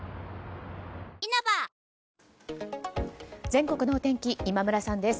全国の天気今村さんです。